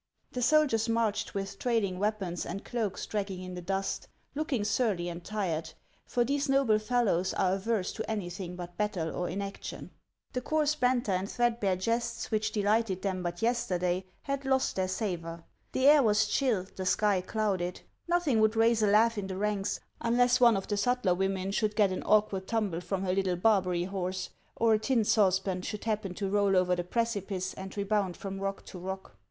The soldiers marched witli trailing weapons and cloaks dragging in the dust, looking surly and tired, for these noble fellows are averse to anything but battle or inaction. The coarse banter and threadbare jests which delighted them but yesterday had lost their savor. The air was HANS OF ICELAND. 331 chill, the sky clouded. Nothing would raise a laugh in the ranks, unless one of the sutler women should get an awkward tumble from her little Barbaiy horse, or a tin saucepan should happen to roll over the precipice and rebound from rock to rock.